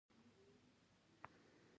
خپل مال ساته ګاونډي غل مه نیسه